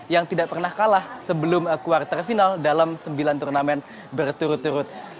yang tidak pernah kalah sebelum kuartal final dalam sembilan turnamen berturut turut